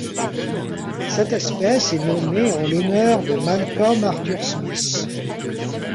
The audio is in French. Cette espèce est nommée en l'honneur de Malcolm Arthur Smith.